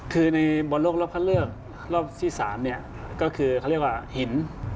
คือในบริการบลบฆ่าเลือกรอบที่๓เขาเรียกว่าหิน